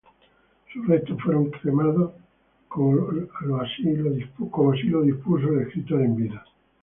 Sus restos fueron cremados como lo así lo dispuso el escritor en vida.